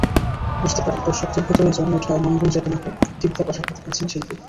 বুঝতে পারি, দর্শকদের ভেতরে জমে ওঠা নন্দন চেতনাকে তীব্র কশাঘাত হানছেন শিল্পী।